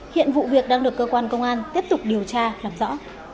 hiện vụ việc đang được cơ quan công an tiếp tục điều tra làm rõ